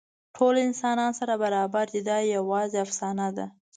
ټول انسانان سره برابر دي، دا یواځې افسانه ده.